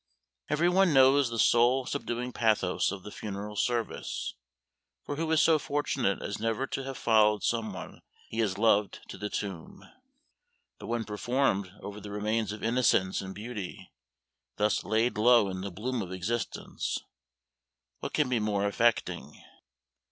Every one knows the soul subduing pathos of the funeral service, for who is so fortunate as never to have followed some one he has loved to the tomb? But when performed over the remains of innocence and beauty, thus laid low in the bloom of existence, what can be more affecting?